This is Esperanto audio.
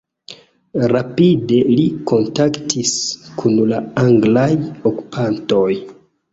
Rapide li kontaktis kun la anglaj okupantoj.